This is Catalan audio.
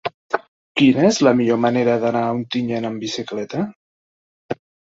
Quina és la millor manera d'anar a Ontinyent amb bicicleta?